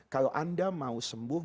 kalau anda mau sembuh